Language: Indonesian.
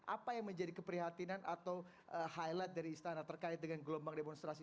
apa yang menjadi keprihatinan atau highlight dari istana terkait dengan gelombang demonstrasi